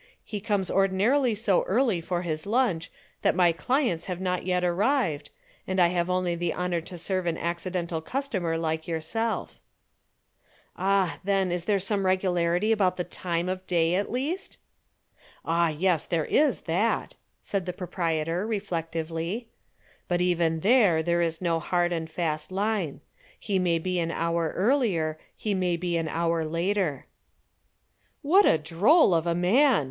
He comes ordinarily so early for his lunch that my clients have not yet arrived, and I have only the honor to serve an accidental customer like yourself." "Ah, then, there is some regularity about the time of day at least?" "Ah, yes, there is that," said the proprietor, reflectively. "But even here there is no hard and fast line. He may be an hour earlier, he may be an hour later." "What a droll of a man!"